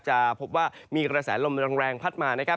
จะพบว่ามีกระแสลมแรงพัดมานะครับ